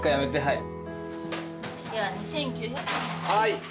はい。